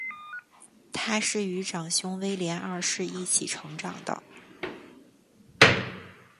她是与长兄威廉二世一起成长的。